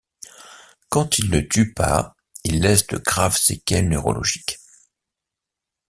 Quand il ne tue pas, il laisse de graves séquelles neurologiques.